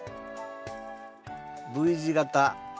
Ｖ字型。